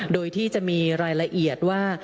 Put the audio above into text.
โดยที่จะมีรายละเอียดว่า